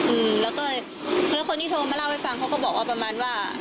อืมแล้วก็คือคนที่โทรมาเล่าให้ฟังเขาก็บอกว่าประมาณว่า